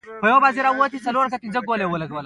دوستي نه پلورل کېږي او نه اخیستل کېږي.